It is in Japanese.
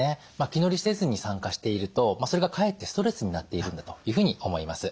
気乗りせずに参加しているとそれがかえってストレスになっているんだというふうに思います。